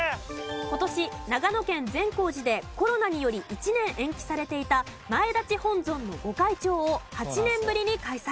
今年長野県善光寺でコロナにより１年延期されていた前立本尊の御開帳を８年ぶりに開催。